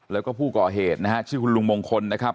แล้วก็ผู้ก่อเหตุนะฮะชื่อคุณลุงมงคลนะครับ